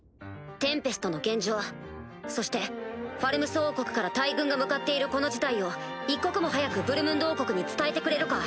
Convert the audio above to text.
テンペストの現状そしてファルムス王国から大軍が向かっているこの事態を一刻も早くブルムンド王国に伝えてくれるか？